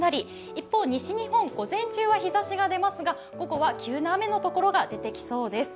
一方、西日本、午前中は日ざしが出ますが、午後は急な雨のところが出てきそうです。